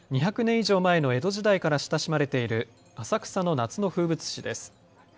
以上前の江戸時代から親しまれている浅草の夏の風物詩です。